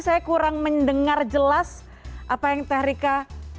saya kurang mendengar jelas apa yang terika